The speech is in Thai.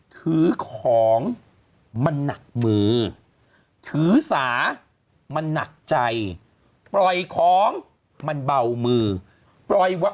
ถือของมันหนักมือถือสามันหนักใจปล่อยของมันเบามือปล่อยว่า